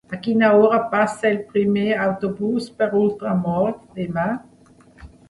A quina hora passa el primer autobús per Ultramort demà?